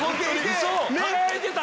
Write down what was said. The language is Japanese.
輝いてた？